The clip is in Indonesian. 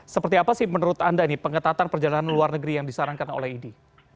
seperti apa sih menurut anda nih pengetatan perjalanan luar negeri yang disarankan oleh idi